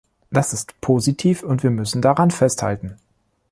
Das ist positiv und wir müssen daran festhalten.